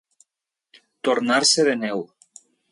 Tornar-se de neu.